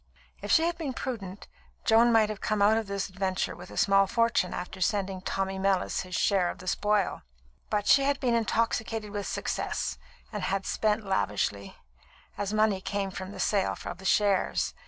If she had been prudent, Joan might have come out of this adventure with a small fortune after sending Tommy Mellis his share of the spoil; but she had been intoxicated with success, and had spent lavishly, as money came from the sale of the shares.